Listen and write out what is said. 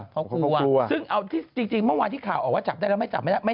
ก็คือจริงเมื่อวันที่ข่าวออกว่าจับได้แล้วไม่จับไม่ได้